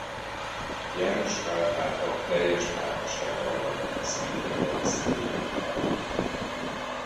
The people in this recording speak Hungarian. János Pál pápa teljes pápasága alatt a Szentatya személyi titkára volt.